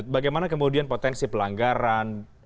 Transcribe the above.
bagaimana kemudian potensi pelanggaran